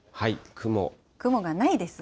雲がないですね。